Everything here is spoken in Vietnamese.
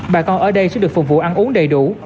bà con ở đây sẽ được phục vụ ăn uống đầy đủ